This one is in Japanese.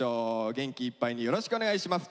元気いっぱいによろしくお願いします。